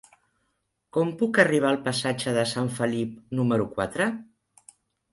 Com puc arribar al passatge de Sant Felip número quatre?